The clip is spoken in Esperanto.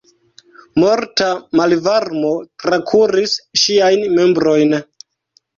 Morta malvarmo trakuris ŝiajn membrojn.